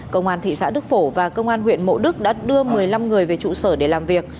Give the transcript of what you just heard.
công an thị xã đức phổ và công an huyện mộ đức đã đưa một mươi năm người về trụ sở để làm việc